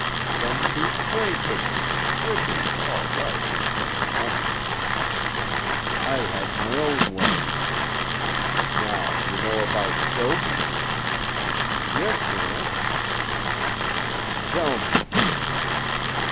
Some shoot clay pigeons, which is all right if you got the money. I have my own way. Now you know about choke?" "Yes, Gramps." "Tell me."